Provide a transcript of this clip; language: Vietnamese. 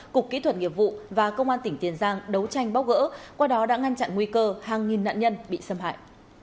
cục kỹ thuật nghiệp vụ và công an tỉnh tiền giang đấu tranh bóc gỡ qua đó đã ngăn chặn nguy cơ hàng nghìn nạn nhân bị xâm hại